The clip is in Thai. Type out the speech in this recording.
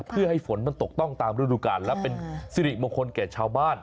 เพื่อให้ฝนมันตกต้องตามฤดูการและเป็นสิริมงคลแก่ชาวบ้าน